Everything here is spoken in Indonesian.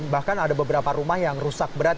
bahkan ada beberapa rumah yang rusak berat